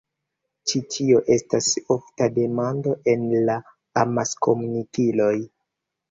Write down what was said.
Ĉi tio estas ofta demando en la amaskomunikiloj.